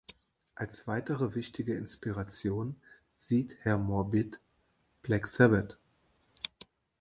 Als weitere wichtige Inspiration sieht Herr Morbid Black Sabbath.